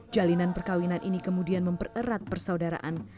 jalinan perkawinan ini kemudian mempererat persaudaraan